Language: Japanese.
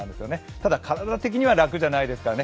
ただ、体的には楽じゃないですからね。